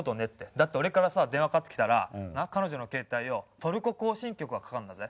だって俺からさ電話かかってきたら彼女の携帯よ『トルコ行進曲』がかかんだぜ。